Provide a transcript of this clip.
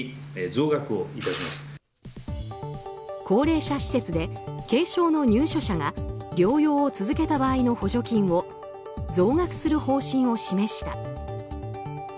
高齢者施設で軽症の入所者が療養を続けた場合の補助金を増額する方針を示した。